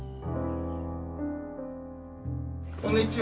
こんにちは。